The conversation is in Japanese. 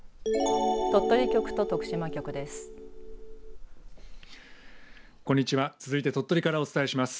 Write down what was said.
鳥取局と徳島局です。